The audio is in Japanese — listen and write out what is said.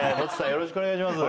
よろしくお願いします